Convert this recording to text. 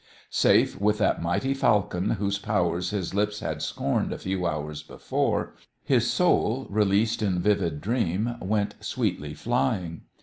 Safe with that mighty falcon whose powers his lips had scorned a few hours before, his soul, released in vivid dream, went sweetly flying.